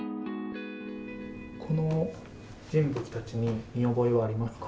この人物たちに見覚えはありますか？